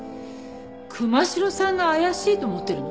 神代さんが怪しいと思ってるの？